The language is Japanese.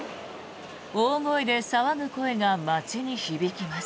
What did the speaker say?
大声で騒ぐ声が街に響きます。